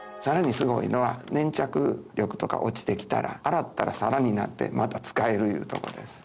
すごいのは粘着力とか落ちてきたら洗ったらさらになってまた使えるいうところです。